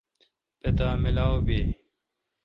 پتا ملاو بی۔